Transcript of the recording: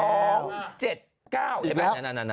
อีกแล้ว